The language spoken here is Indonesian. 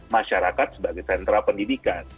masyarakat sebagai sentra pendidikan